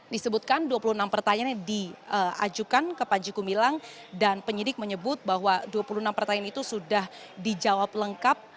disebutkan dua puluh enam pertanyaan yang diajukan ke panji gumilang dan penyidik menyebut bahwa dua puluh enam pertanyaan itu sudah dijawab lengkap